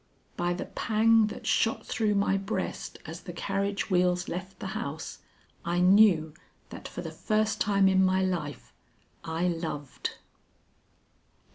By the pang that shot through my breast as the carriage wheels left the house, I knew that for the first time in my life, I loved. IV.